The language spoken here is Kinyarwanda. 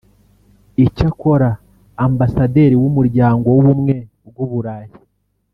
Icyakora Ambasaderi w’Umuryango w’Ubumwe bw’u Burayi